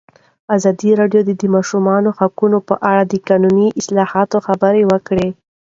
ازادي راډیو د د ماشومانو حقونه په اړه د قانوني اصلاحاتو خبر ورکړی.